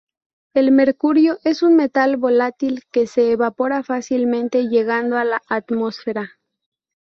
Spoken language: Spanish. El mercurio es un metal volátil que se evapora fácilmente llegando a la atmósfera.